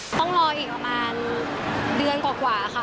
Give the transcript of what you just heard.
ต้องรออีกประมาณเดือนกว่าค่ะ